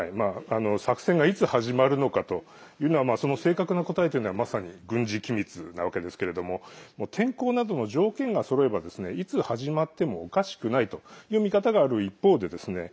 作戦がいつ始まるのかというその正確な答えというのはまさに軍事機密なわけですが天候などの条件がそろえばいつ始まってもおかしくないという見方がある一方でですね